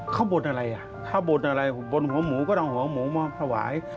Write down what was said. เขาบนอะไรอ่ะถ้าบนอะไรบนหัวหมูก็ต้องหัวหมูมาถวาย